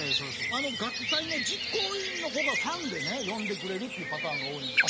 学祭の実行委員の子がファンでね呼んでくれるっていうパターンが多いんですよ。